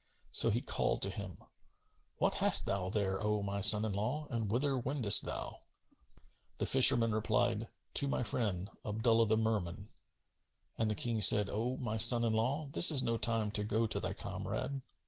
So he called to him, "What hast thou there, O my son in law, and whither wendest thou?" The fisherman replied, "To my friend, Abdullah the Merman;" and the King said, "O my son in law, this is no time to go to thy comrade."